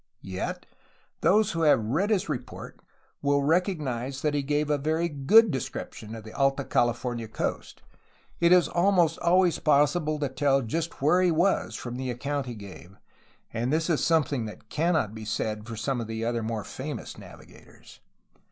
Yet, those who have read his report will recognize that he gave a very good description of the Alta California coast; it is almost always possible to tell just where he was from the account he gave — and this is something that cannot be said for some other more famous navigators.